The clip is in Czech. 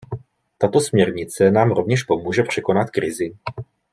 Tato směrnice nám rovněž pomůže překonat krizi.